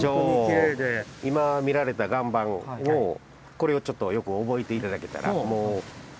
今見られた岩盤をこれをちょっとよく覚えて頂けたら。